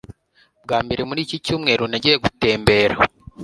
bwa mbere muri iki cyumweru, nagiye gutembera